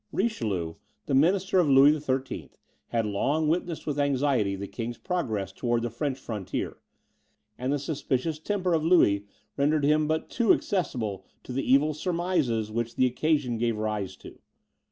Richelieu, the minister of Louis XIII., had long witnessed with anxiety the king's progress towards the French frontier, and the suspicious temper of Louis rendered him but too accessible to the evil surmises which the occasion gave rise to.